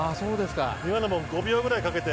今のも５秒くらいかけて。